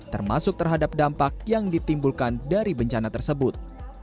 termasuk terhadap dampak yang ditimbulkan dari bencana tersebut